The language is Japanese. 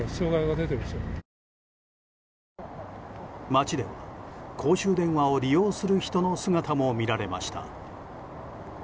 街では公衆電話を利用する人の姿も見られました。